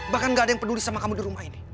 bahkan gak ada yang peduli sama kamu di rumah ini